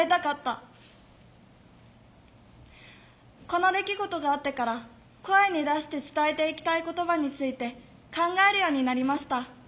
この出来事があってから「声に出して伝えていきたい言葉」について考えるようになりました。